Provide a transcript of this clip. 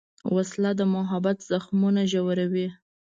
وسله د محبت زخمونه ژوروي